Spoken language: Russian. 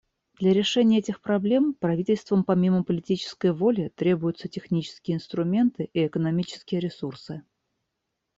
Для решения этих проблем правительствам помимо политической воли требуются технические инструменты и экономические ресурсы.